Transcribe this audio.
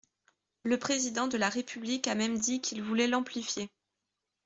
Le Président de la République a même dit qu’il voulait l’amplifier.